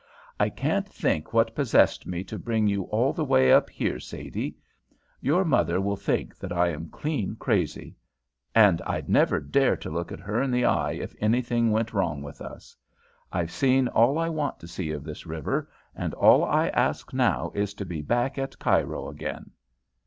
"I can't think what possessed me to bring you all the way up here, Sadie. Your mother will think that I am clean crazy, and I'd never dare to look her in the eye if anything went wrong with us. I've seen all I want to see of this river, and all I ask now is to be back at Cairo again."